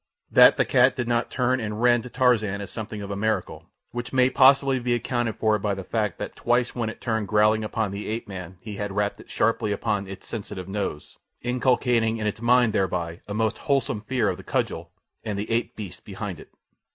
That the cat did not turn and rend Tarzan is something of a miracle which may possibly be accounted for by the fact that twice when it turned growling upon the ape man he had rapped it sharply upon its sensitive nose, inculcating in its mind thereby a most wholesome fear of the cudgel and the ape beasts behind it.